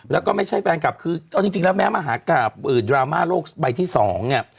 แล้วก็ไม่ใช่แฟนกลับคือเอาจริงแล้วแม้มหากราบดราม่าโลกใบที่๒เนี่ย